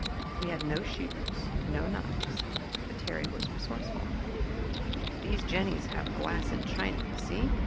We had no shears, no knives, but Terry was resourceful. "These Jennies have glass and china, you see.